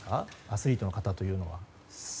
アスリートの方というのは。